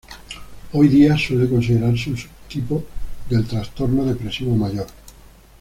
Hoy día suele considerarse un subtipo del trastorno depresivo mayor.